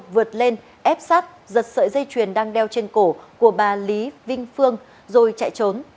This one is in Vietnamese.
vượt lên ép sát giật sợi dây chuyền đang đeo trên cổ của bà lý vinh phương rồi chạy trốn